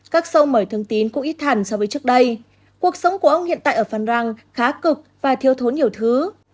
các sâu mời thương tín cũng ít thẳng so với trước đây cuộc sống của ông hiện tại ở phan rang khá cực và thiêu thốn nhiều thứ